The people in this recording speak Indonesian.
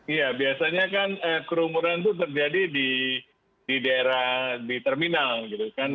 iya biasanya kan kerumunan itu terjadi di daerah di terminal gitu kan